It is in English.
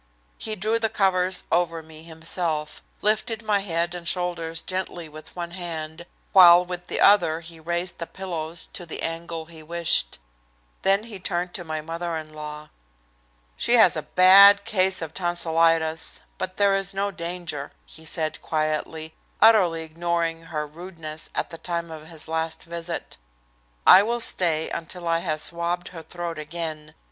He drew the covers over me himself, lifted my head and shoulders gently with one hand, while with the other he raised the pillows to the angle he wished. Then he turned to my mother in law. "She has a bad case of tonsilitis, but there is no danger," he said quietly, utterly ignoring her rudeness at the time of his last visit. "I will stay until I have swabbed her throat again.